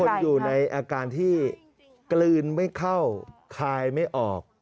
อยู่ในอาการที่กลืนไม่เข้าคายไม่ออก